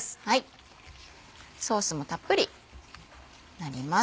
ソースもたっぷりになります。